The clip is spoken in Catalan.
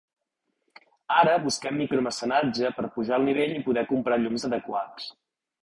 Ara busquem micro-mecenatge per pujar el nivell i poder comprar llums adequats.